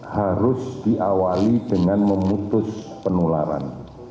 harus diawali dengan memutus penularan